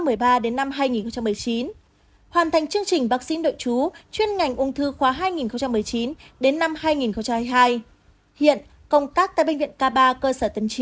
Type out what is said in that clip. hoàn thành chương trình bác sĩ đội chú chuyên ngành ung thư khoa hai nghìn một mươi chín hai nghìn hai mươi hai hiện công tác tại bệnh viện k ba cơ sở tân triều